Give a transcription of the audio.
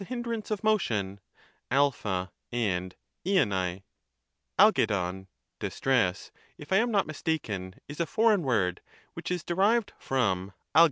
«u,i' hindrance of motion (a and Ih ai) ; dXyT]6u)v (distress), if I am not mistaken, is a foreign word, which is derived from b&v,'r